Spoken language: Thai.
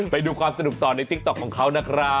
ไปดูความสนุกต่อในติ๊กต๊อกของเขานะครับ